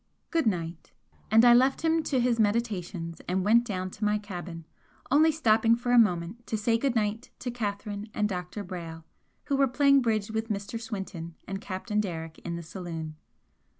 "Good night!" And I left him to his meditations and went down to my cabin, only stopping for a moment to say good night to Catherine and Dr. Brayle, who were playing bridge with Mr. Swinton and Captain Derrick in the saloon.